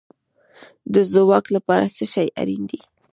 د ځواک لپاره څه شی اړین دی؟